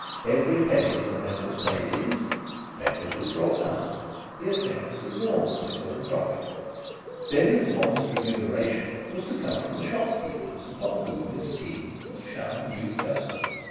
Every penny that members paid in, members would draw out. The affair was enormously philanthropic. Denry's modest remuneration was to come from the shopkeepers upon whom his scheme would shower new custom.